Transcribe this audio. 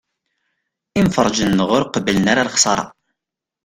Imferrǧen-nneɣ ur qebblen ara lexṣara.